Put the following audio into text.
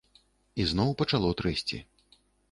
І зноў пачало трэсці.